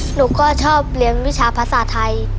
หนูก็ชอบเรียนวิชาภาษาไทย